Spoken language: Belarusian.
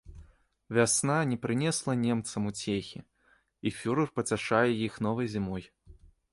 Вясна не прынесла немцам уцехі, і фюрэр пацяшае іх новай зімой.